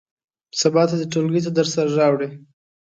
سبا ته دې ټولګي ته درسره راوړي.